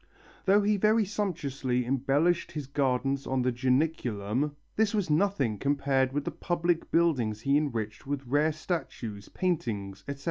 Though he very sumptuously embellished his gardens on the Janiculum, this was nothing compared with the public buildings he enriched with rare statues, paintings, etc.